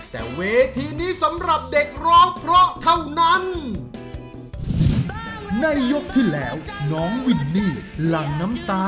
แต่เวทีนี้สำหรับเด็กร้องเพราะเท่านั้นในยกที่แล้วน้องวินนี่หลังน้ำตา